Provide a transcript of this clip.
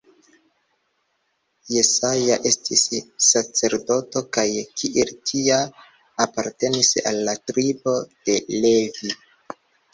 Jesaja estis sacerdoto kaj kiel tia apartenis al la tribo de Levi.